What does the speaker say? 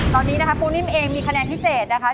ตอนนี้นะคะปูนิ่มเองมีคะแนนพิเศษนะคะ